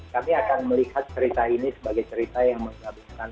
kami akan melihat cerita ini sebagai cerita yang menggabungkan